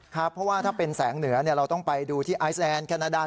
ครับเพราะว่าถ้าเป็นแสงเหนือเราต้องไปดูที่ไอซแลนดแคนาดา